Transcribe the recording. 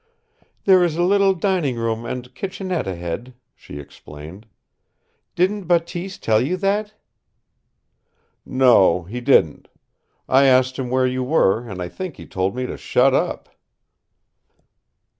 "There is a little dining room and kitchenette ahead," she explained. "Didn't Bateese tell you that?" "No, he didn't. I asked him where you were, and I think he told me to shut up."